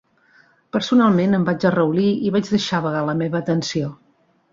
Personalment, em vaig arraulir i vaig deixar vagar la meva atenció.